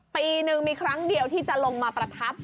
ปีหนึ่งมีครั้งเดียวที่จะลงมาประทับ